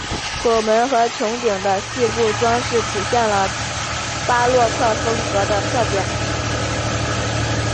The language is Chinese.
拱门和穹顶的细部装饰体现了巴洛克风格的特点。